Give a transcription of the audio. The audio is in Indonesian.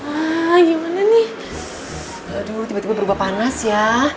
wah gimana nih aduh tiba tiba berubah panas ya